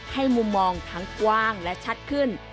มุมมองทั้งกว้างและชัดขึ้น